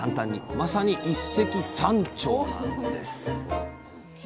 まさに一石三鳥なんです